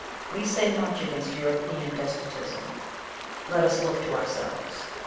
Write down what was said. We say much against European despotism; let us look to ourselves.